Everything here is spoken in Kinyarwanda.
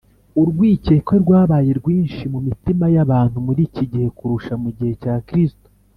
urwikekwe rwabaye rwinshi mu mitima y’abantu muri iki gihe kurusha mu gihe cya kristo